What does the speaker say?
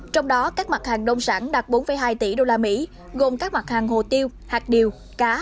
trong đó các mặt hàng nông sản đạt bốn hai tỷ đô la mỹ gồm các mặt hàng hồ tiêu hạt điều cá